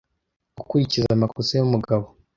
gukurikiza amakosa yumugabo